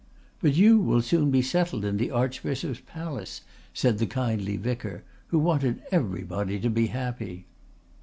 "But you will soon be settled in the archbishop's palace," said the kindly vicar, who wanted everybody to be happy.